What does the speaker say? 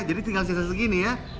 jadi tinggal sisa sisa gini ya